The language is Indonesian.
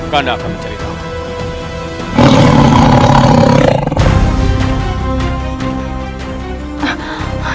kanda akan mencari kanda